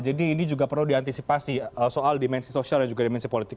jadi ini juga perlu diantisipasi soal dimensi sosial dan juga dimensi politik